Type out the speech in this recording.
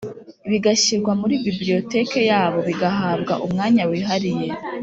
bigashyirwa muri Bibliotheque yabo bigahabwa umwanya wihariye